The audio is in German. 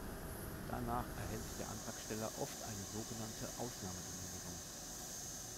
Danach erhält der Antragsteller oft eine sogenannte "Ausnahmegenehmigung".